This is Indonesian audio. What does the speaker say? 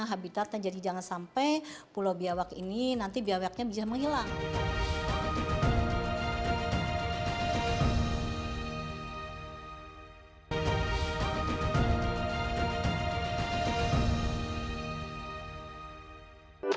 habitatnya jadi jangan sampai pulau biawak ini nanti biawaknya bisa menghilang